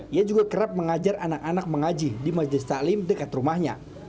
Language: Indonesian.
ia juga kerap mengajar anak anak mengaji di majlis taklim dekat rumahnya